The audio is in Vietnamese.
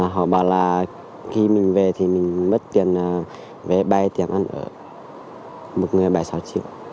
họ bảo là khi mình về thì mình mất tiền về bay tiền ăn ở một người bảy mươi sáu triệu